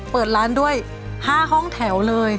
เปิดร้านด้วย๕ห้องแถวเลย